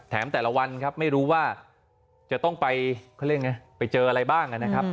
แถมแต่ละวันไม่รู้ว่าจะต้องไปเจออะไรบ้าง